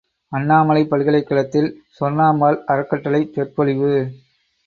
● அண்ணாமலைப் பல்கலைகழகத்தில் சொர்ணம்மாள் அறக்கட்டளைச் சொற்பொழிவு.